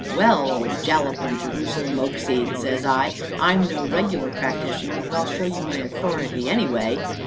"Well, old Jalap and Jerusalem oakseed," says I, "I'm no regular practitioner, but I'll show you my authority, anyway."